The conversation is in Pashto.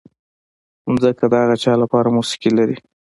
ځمکه د هغه چا لپاره موسیقي لري.